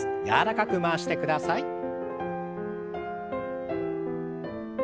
柔らかく回してください。